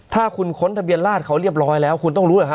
ถ้าคุณค้นทะเบียนราชเขาเรียบร้อยแล้วคุณต้องรู้เหรอฮะ